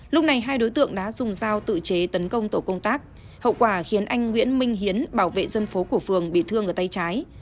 lúc này hai đối tượng đã dùng dao tự chế tấn công tổ công tác hậu quả khiến anh nguyễn minh hiến bảo vệ dân phố của phường bị thương ở tay trái